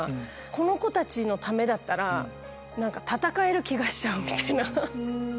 この子たちのためだったら戦える気がしちゃうみたいな。